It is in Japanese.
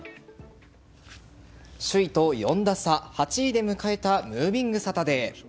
首位と４打差、８位で迎えたムービングサタデー。